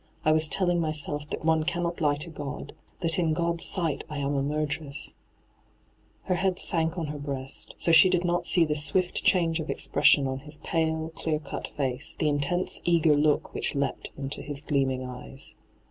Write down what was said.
' I was telling myself that one cannot lie to Ghxl — that in Qod's sight I am a murderess I' Her head sank on her breast, bo she did not see the swiH change of expression on his pale, clear cut face — the intense, eager look which leapt into his gleaming eyes.